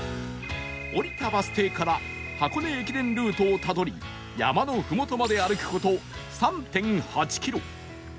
降りたバス停から箱根駅伝ルートをたどり山のふもとまで歩く事 ３．８ キロ